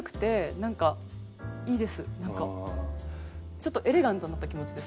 ちょっとエレガントになった気持ちです。